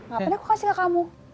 ngapain aku kasih ke kamu